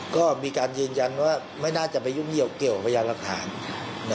ก็มีการยืนยันว่าไม่น่าจะไปยุ่งเกี่ยวกับพยานหลักฐาน